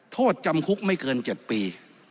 โทษจำคุกไม่เกิน๗ปี